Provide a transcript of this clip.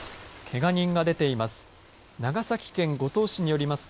けが人が出ています。